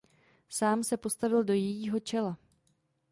Sám se postavil do jejího čela.